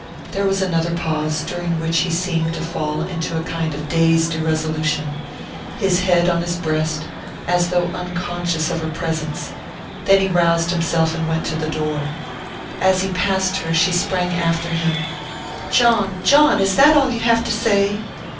There was another pause, during which he seemed to fall into a kind of dazed irresolution, his head on his breast, as though unconscious of her presence. Then he roused himself and went to the door. As he passed her she sprang after him. "John John! Is that all you have to say?"